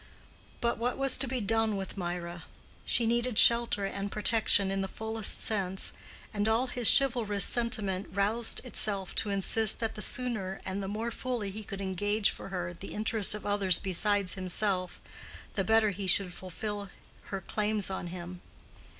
But what was to be done with Mirah? She needed shelter and protection in the fullest sense, and all his chivalrous sentiment roused itself to insist that the sooner and the more fully he could engage for her the interest of others besides himself, the better he should fulfill her claims on him.